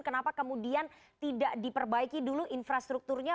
kenapa kemudian tidak diperbaiki dulu infrastrukturnya